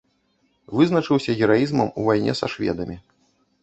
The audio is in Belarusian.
Вызначыўся гераізмам у вайне са шведамі.